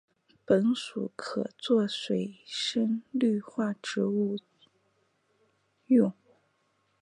本属可做水生绿化植物用。